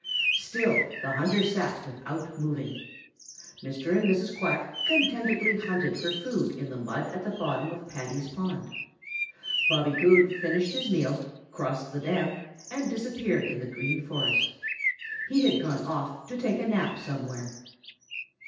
Still the hunter sat without moving. Mr. and Mrs. Quack contentedly hunted for food in the mud at the bottom of Paddy's pond. Bobby Coon finished his meal, crossed the dam and disappeared in the Green Forest. He had gone off to take a nap somewhere.